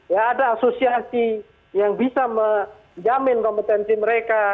ya ada asosiasi yang bisa menjamin kompetensi mereka